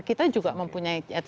kita juga mempunyai cita cita